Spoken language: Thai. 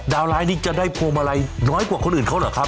ดาวร้ายนี่จะได้โพงอะไรน้อยกว่าคนอื่นเขาเหรอครับ